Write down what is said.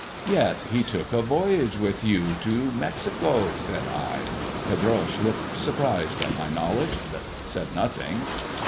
" Yet he took a voyage with you to Mexico 1 " said I. Pedroche looked surprised at my knowledge, but said nothing.